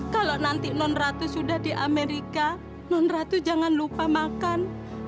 kalo nanti nonratu sudah di amerika nonratu jangan lupa makan